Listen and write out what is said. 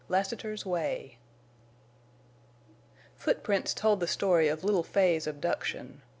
LASSITER'S WAY Footprints told the story of little Fay's abduction.